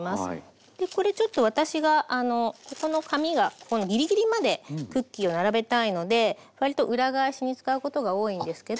これちょっと私がここの紙がギリギリまでクッキーを並べたいので割と裏返しに使うことが多いんですけど。